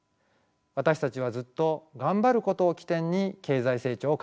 私たちはずっとがんばることを起点に経済成長を考えてきました。